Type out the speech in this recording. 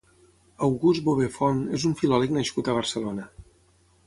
August Bover Font és un filòleg nascut a Barcelona.